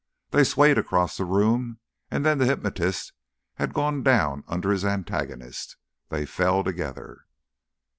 They swayed across the room, and then the hypnotist had gone down under his antagonist. They fell together....